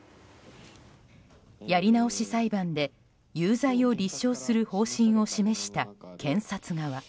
やり直し裁判で有罪を立証する方針を示した検察側。